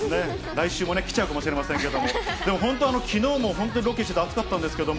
来週も来ちゃうかもしれませんけれども、でも本当、きのうもロケしてて暑かったんですけど。